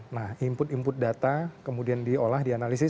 nah input input data kemudian diolah dianalisis